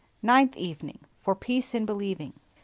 NINTH EVENING. FOR PEACE IN BELIEVING.